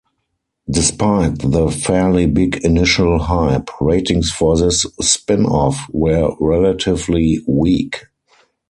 Despite the fairly big initial hype, ratings for this spin-off were relatively weak.